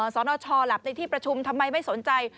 สนชหลับในที่ประชุมทำไมไม่สนใจ